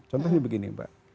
contohnya begini mbak